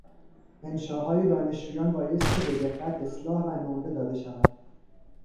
انشاهای دانشجویان بایستی به دقت اصلاح و نمره داده شود.